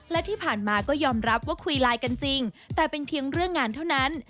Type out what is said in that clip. และที่ผ่านมาก็ยอมรับว่าคุยไลน์กันจริงแต่เป็นเพียงเรื่องงานเท่านั้น